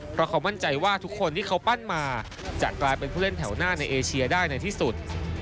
เพราะเขามั่นใจว่าทุกคนที่เขาปั้นมาจะกลายเป็นผู้เล่นแถวหน้าในเอเชียได้ในที่สุด